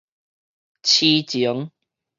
癡情